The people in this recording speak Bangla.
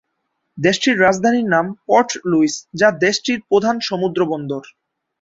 দেশটির রাজধানীর নাম পোর্ট লুইস, যা দেশটির প্রধান সমুদ্র বন্দর।